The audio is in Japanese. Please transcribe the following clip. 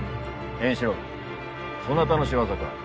円四郎、そなたの仕業か。